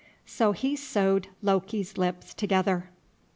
So he sewed Loki's lips together.